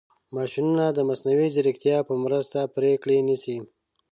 ماشینونه د مصنوعي ځیرکتیا په مرسته پرېکړې نیسي.